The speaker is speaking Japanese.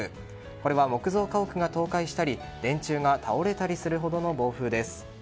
これは木造家屋が倒壊したり電柱が倒れたりするほどの暴風です。